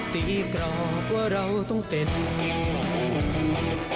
ที่กรอบกว่าราวต้องเต็ม